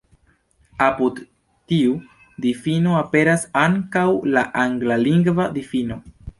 Apud tiu difino aperas ankaŭ la anglalingva difino.